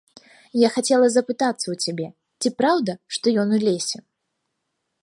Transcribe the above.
Я хацела запытацца ў цябе, ці праўда, што ён у лесе.